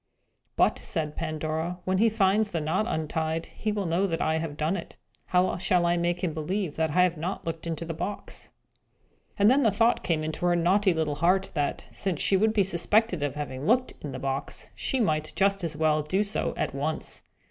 "But," said Pandora, "when he finds the knot untied, he will know that I have done it. How shall I make him believe that I have not looked into the box?" And then the thought came into her naughty little heart, that, since she would be suspected of having looked into the box, she might just as well do so at once.